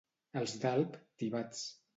Els d'Alp, tibats.